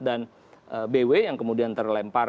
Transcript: dan bw yang kemudian terlempar